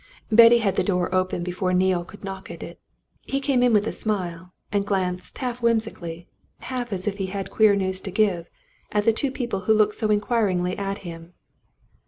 Betty had the door open before Neale could knock at it. He came in with a smile, and glanced half whimsically, half as if he had queer news to give, at the two people who looked so inquiringly at him.